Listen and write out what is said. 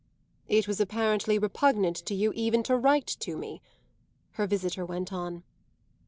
"It was apparently repugnant to you even to write to me," her visitor went on.